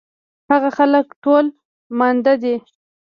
هغه خلک ټول ماندۀ دي